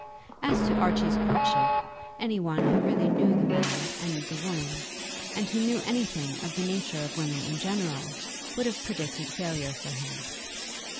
As to Archie's courtship, any one who really knew the man and the woman, and who knew anything of the nature of women in general, would have predicted failure for him.